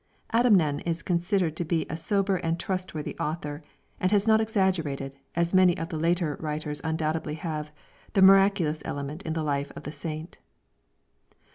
Adamnan is considered to be a sober and trustworthy author, and has not exaggerated, as many of the later writers undoubtedly have, the miraculous element in the life of the Saint.